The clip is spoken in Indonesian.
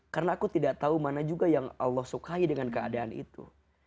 karena aku tidak tahu mana juga yang allah sukai dengan keadaan itu